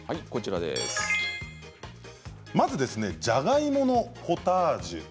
まずはじゃがいものポタージュ